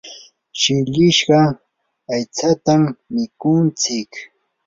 shillishqa aytsatam mikuntsik.